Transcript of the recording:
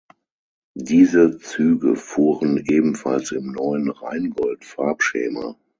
Diese Züge fuhren ebenfalls im neuen Rheingold-Farbschema.